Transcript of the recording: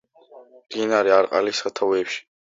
მდინარე არყალის სათავეებში.